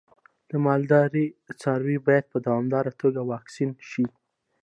د مالدارۍ څاروی باید په دوامداره توګه واکسین شي.